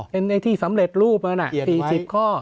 เป็นไอ้ที่สำเร็จรูปนั้น๔๐ข้อ